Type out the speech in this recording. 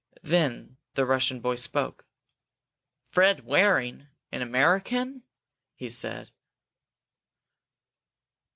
Then the Russian boy spoke. "Fred Waring an American?" he said.